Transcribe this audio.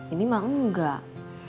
ini mah enggak